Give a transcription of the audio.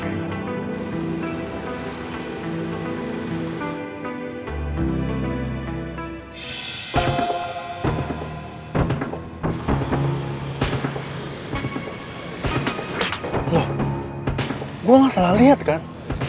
loh gue gak salah liat kan